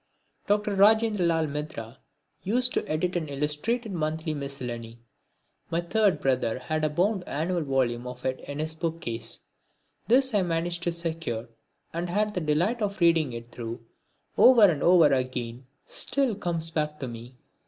Dr. Rajendralal Mitra used to edit an illustrated monthly miscellany. My third brother had a bound annual volume of it in his bookcase. This I managed to secure and the delight of reading it through, over and over again, still comes back to me.